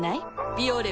「ビオレ」